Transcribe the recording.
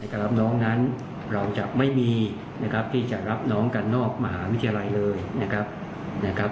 การรับน้องนั้นเราจะไม่มีนะครับที่จะรับน้องกันนอกมหาวิทยาลัยเลยนะครับ